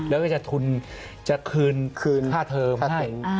แล้วก็จะทุนจะคืนค่าเทอมให้